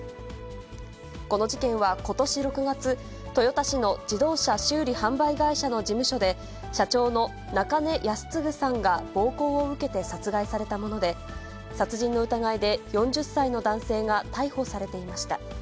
この事件はことし６月、豊田市の自動車修理販売会社の事務所で、社長の中根康継さんが暴行を受けて殺害されたもので、殺人の疑いで、４０歳の男性が逮捕されていました。